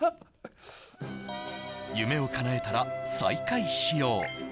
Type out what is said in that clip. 夢を叶えたら再会しよう